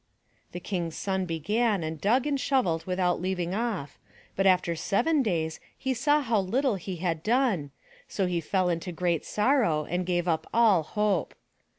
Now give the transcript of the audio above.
The King's son began and dug and shovelled without leaving off, but after seven days he saw how Uttle he had done, so he fell into great sorrow and gave up all hope.